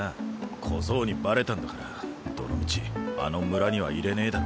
小僧にバレたんだからどのみちあの村にはいれねぇだろ。